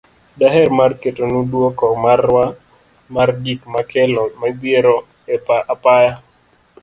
Daher mar ketonu duoko marwa mar gik makelo midhiero e apaya.